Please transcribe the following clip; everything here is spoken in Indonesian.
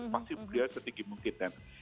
maksimum dia setinggi mungkin kan